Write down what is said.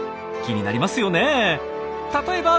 気になりますよねえ。